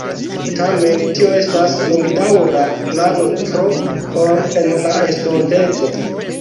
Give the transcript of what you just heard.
Tamen, tio estas longdaŭra plano tro for en la estonteco.